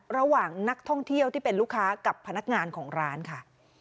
ระหว่างนักท่องเที่ยวที่เป็นลูกค้ากับพนักงานของร้านค่ะ